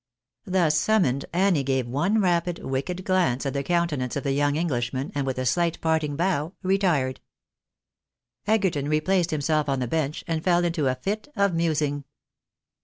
Thus summoned, Annie gave one rapid, wicked glance at the A DETESTABLE COUNTRY. 65 countenance of the young Englishman, and with a shght parting bow, retired. Egerton replaced himself on the bench, and fell into a fit of musing.